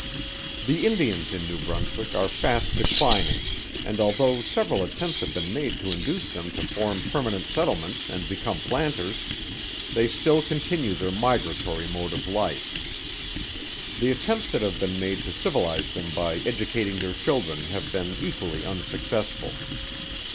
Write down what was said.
The Indians in New Brunswick are fast declining, and although several attempts have been made to induce them to form permanent settlements and become planters, they still continue their migratory mode of life. The attempts that have been made to civilize them by educating their children have been equally unsuccessful.